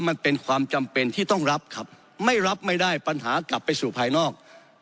มันเป็นความจำเป็นที่ต้องรับครับไม่รับไม่ได้ปัญหากลับไปสู่ภายนอก